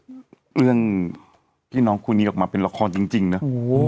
เรื่องพี่น้องคู่นี้ออกมาเป็นละครจริงนะ